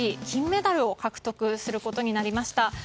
金メダルを獲得することになりました。